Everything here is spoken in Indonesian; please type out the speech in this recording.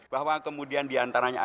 bahwa kemudian diantaranya ada